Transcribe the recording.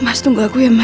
mas tunggu aku ya allah